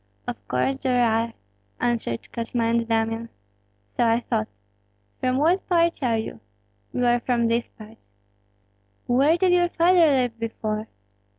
"Of course there are!" answered Kosma and Damian. "So I thought. From what parts are you?" "We are from these parts." "Where did your father live before?"